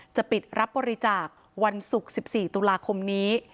จะปิดรับบริจาควันศุกร์๑๔ตุลาคมนี้